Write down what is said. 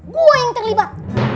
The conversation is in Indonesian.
gue yang terlibat